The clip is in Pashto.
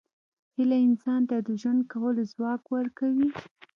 هیله انسان ته د ژوند کولو ځواک ورکوي.